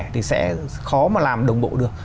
thì sẽ khó mà làm đồng bộ được